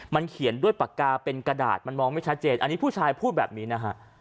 มันเขียนด้วยปากกาเป็นกระดาษมันมองไม่ชัดเจนอันนี้ผู้ชายพูดแบบนี้นะฮะ